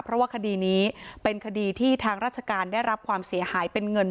เพราะว่าคดีนี้เป็นคดีที่ทางราชการได้รับความเสียหายเป็นเงิน